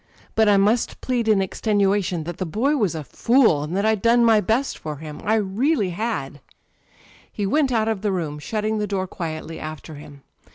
But I must plead in extenuation that the boy was a fool, and that I'd done my best for him â€" I really had. '^He went out of the room, shutting the door quietly after him.